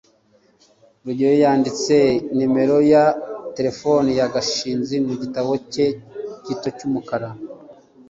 rugeyo yanditse nimero ya terefone ya gashinzi mu gitabo cye gito cy'umukara